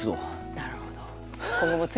なるほど。